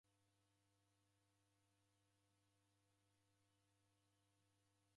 Masanga mengi ndeghiw'adie w'ulongozi ghuboie.